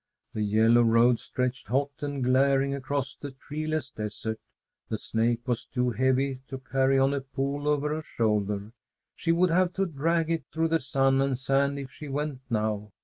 The yellow road stretched hot and glaring across the treeless desert. The snake was too heavy to carry on a pole over her shoulder. She would have to drag it through the sun and sand if she went now.